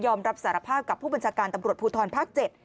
รับสารภาพกับผู้บัญชาการตำรวจภูทรภาค๗